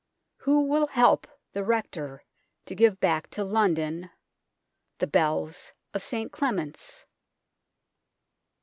Who will help the Rector to give back to London " The Bells of St Clement's